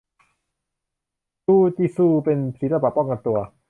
จูจิซูเป็นศิลปะป้องกันตัว